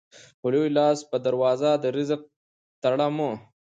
په لوی لاس به دروازه د رزق تړمه